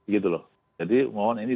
gitu loh jadi mohon ini